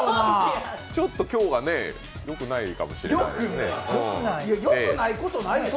ちょっと今日は良くないかもしれないです。